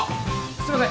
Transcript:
すいません